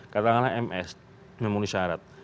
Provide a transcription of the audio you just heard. katakanlah ms memenuhi syarat